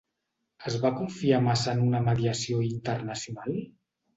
Es va confiar massa en una mediació internacional?